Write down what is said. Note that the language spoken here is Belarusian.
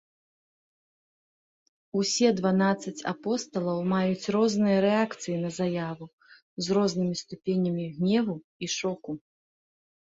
Усе дванаццаць апосталаў маюць розныя рэакцыі на заяву, з рознымі ступенямі гневу і шоку.